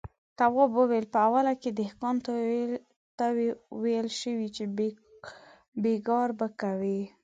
تواب وويل: په اوله کې دهقان ته ويل شوي چې بېګار به کوي.